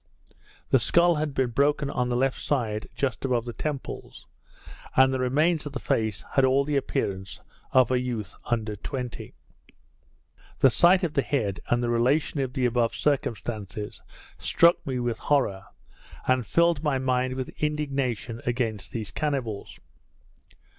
The skull had been broken on the left side, just above the temples; and the remains of the face had all the appearance of a youth under twenty. The sight of the head, and the relation of the above circumstances, struck me with horror, and filled my mind with indignation against these cannibals.